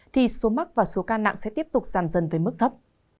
thì số mắc và số ca nặng sẽ tiếp tục giảm dần về mức thấp